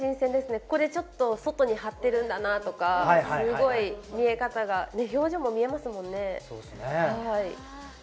ここでちょっと外に張ってるんだなとか、すごい見え方が、表情も見えますもんね。